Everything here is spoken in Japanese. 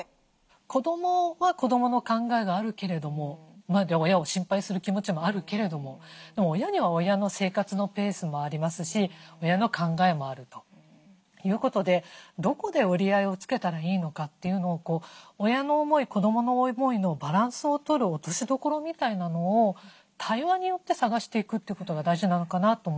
子どもは子どもの考えがあるけれども親を心配する気持ちもあるけれども親には親の生活のペースもありますし親の考えもあるということでどこで折り合いをつけたらいいのかというのを親の思い子どもの思いのバランスを取る落としどころみたいなのを対話によって探していくってことが大事なのかなと思うんですね。